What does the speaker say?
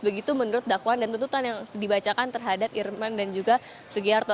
begitu menurut dakwaan dan tuntutan yang dibacakan terhadap irman dan juga sugiharto